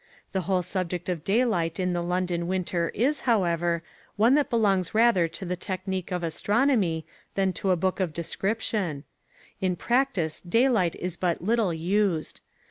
The whole subject of daylight in the London winter is, however, one which belongs rather to the technique of astronomy than to a book of description. In practice daylight is but little used.